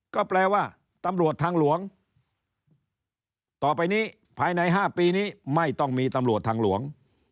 ก็แปลว่าตำรวจทางหลวงต่อไปนี้ภายใน๕ปีนี้ไม่ต้องมีตำรวจทางหลวง